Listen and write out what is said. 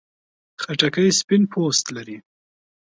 خټکی سپین پوست لري.